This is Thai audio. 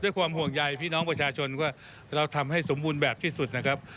ความห่วงใยพี่น้องประชาชนว่าเราทำให้สมบูรณ์แบบที่สุดนะครับ